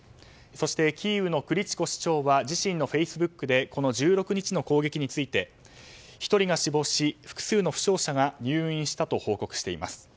そしてキーウのクリチコ市長は自身のフェイスブックでこの１６日の攻撃について１人が死亡し複数の負傷者が入院したと報告しています。